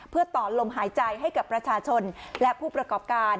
เพื่อต่อลมหายใจให้กับประชาชนและผู้ประกอบการ